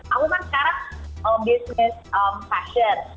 aku kan sekarang all business fashion